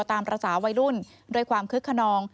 ตามผู้หญิงชาวสุดพระชาววัยรุ่น